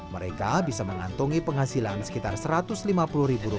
mereka bisa mengantungi penghasilan sekitar satu ratus lima puluh ribu rupiah per orang setiap bulan